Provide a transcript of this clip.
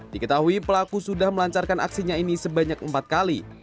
diketahui pelaku sudah melancarkan aksinya ini sebanyak empat kali